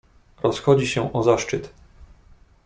"Rozchodzi się o zaszczyt."